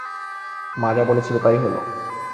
মা যা বলেছিলো তাই হলো।